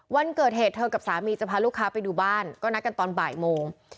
วันเกิดเหตุเธอกับสามีจะพาลูกค้าไปดูบ้านก็นัดกันตอนบ่ายโมง